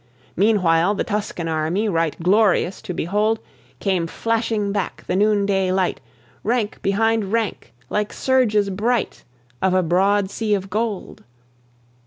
Meanwhile the Tuscan army, Right glorious to behold, Came flashing back the noonday light, Rank behind rank, like surges bright Of a broad sea of gold.